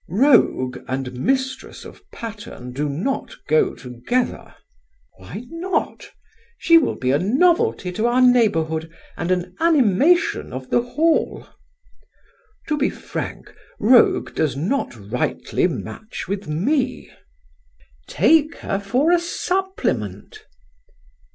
"Rogue and mistress of Patterne do not go together." "Why not? She will be a novelty to our neighbourhood and an animation of the Hall." "To be frank, rogue does not rightly match with me." "Take her for a supplement."